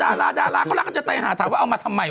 อ่านข่าวดาราเขาจัดใจหาถามว่าเอามันทำไม